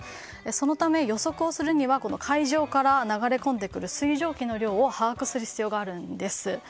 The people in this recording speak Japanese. そのため、予測をするには海上から流れ込んでくる水蒸気の量を把握する必要があるんです。